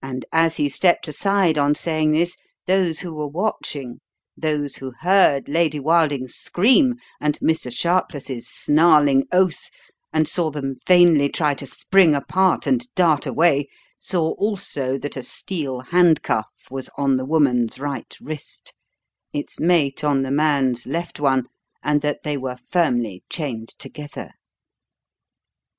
And as he stepped aside on saying this, those who were watching, those who heard Lady Wilding's scream and Mr. Sharpless's snarling oath and saw them vainly try to spring apart and dart away, saw also that a steel handcuff was on the woman's right wrist, its mate on the man's left one, and that they were firmly chained together.